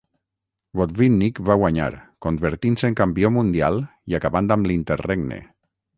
Botvinnik va guanyar, convertint-se en campió mundial i acabant amb l'"interregne".